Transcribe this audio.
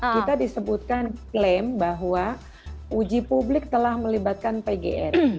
kita disebutkan klaim bahwa uji publik telah melibatkan pgn